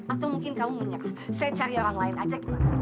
atau mungkin kamu punya saya cari orang lain aja